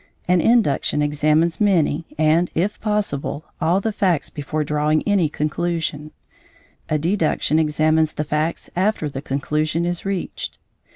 An induction examines many, and, if possible, all the facts before drawing any conclusion; a deduction examines the facts after the conclusion is reached.